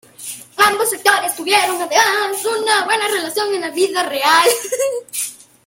Ambos actores tuvieron, además, una buena relación en la vida real.